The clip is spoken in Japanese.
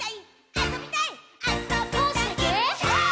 「あそびたいっ！」